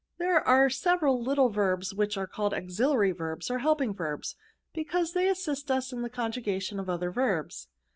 " There are several little verbs which are called auxiliary verbs, or helping verbs, be cause they assist us in the conjugation of other verbs.